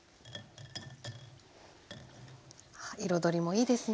彩りもいいですね。